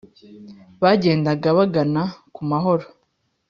bagendaga bagana ku mahoro.